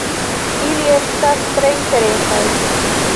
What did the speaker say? Ili estas tre interesaj